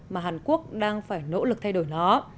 mà hàn quốc đang phải nỗ lực thay đổi nó